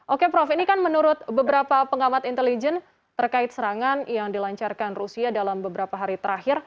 oke prof ini kan menurut beberapa pengamat intelijen terkait serangan yang dilancarkan rusia dalam beberapa hari terakhir